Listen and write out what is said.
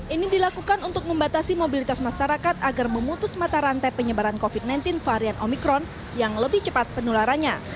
ini dilakukan untuk membatasi mobilitas masyarakat agar memutus mata rantai penyebaran covid sembilan belas varian omikron yang lebih cepat penularannya